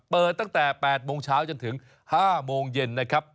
เปิดตั้งแต่๘โมงเช้าจนถึง๕โมงเย็นนะครับ